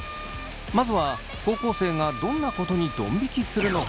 まずは高校生がどんなことにどん引きするのか？